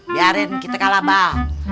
biarin kita kalah bang